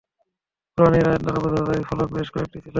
কুরআনের আয়াত দ্বারা বোঝা যায় যে, ফলক বেশ কয়েকটিই ছিল।